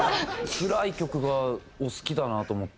つらい曲がお好きだなと思って。